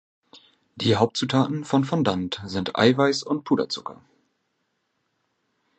Die Hauptzutaten von Fondant sind Eiweiß und Puderzucker.